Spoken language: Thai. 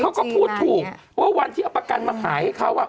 เขาก็พูดถูกว่าวันที่เอาประกันมาขายให้เขา